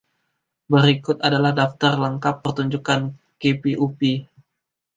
Berikut adalah daftar lengkap pertunjukan keepie-uppie.